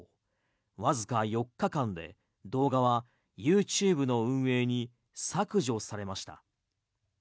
わずか４日間で動画はＹｏｕＴｕｂｅの運営に削除されました。